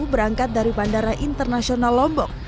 berangkat dari bandara internasional lombok